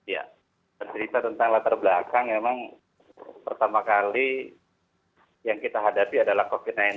ya bercerita tentang latar belakang memang pertama kali yang kita hadapi adalah covid sembilan belas